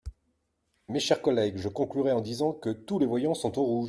Mes chers collègues, je conclurai en disant que tous les voyants sont au rouge.